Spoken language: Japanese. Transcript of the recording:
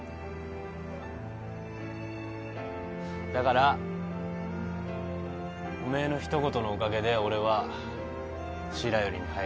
だからおめえの一言のおかげで俺は白百合に入れた。